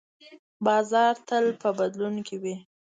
بازار تل په بدلون کې وي.